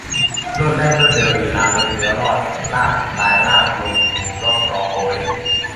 โลดแล่นรวดเร็วลีลาลดเลี้ยวลอดลายลาดลงรูร่องร้องโอ๊ย